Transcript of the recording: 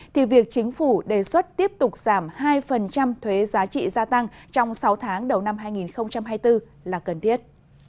thì việc chính phủ đề xuất tiếp tục giảm hai thuế giá trị gia tăng trong sáu tháng đầu năm hai nghìn hai mươi bốn là cần thiết